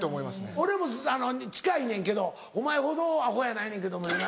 俺も近いねんけどお前ほどアホやないねんけどもやな。